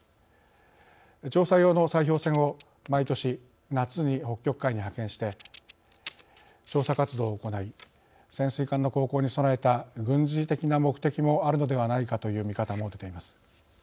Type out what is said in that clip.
調査用の砕氷船を毎年夏に北極海に派遣して調査活動を行い潜水艦の航行に備えた軍事的な目的もあるのではないかという見方も出ています。